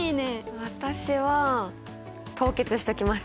私は凍結しときます！